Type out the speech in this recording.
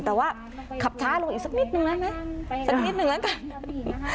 แต่ว่าขับช้าลงอีกสักนิดนึงได้ไหมสักนิดนึงแล้วกัน